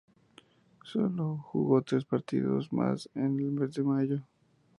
Solo jugó tres partidos más en el mes de mayo.